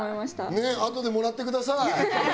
ねぇあとでもらってください。